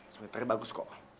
sweaternya bagus kok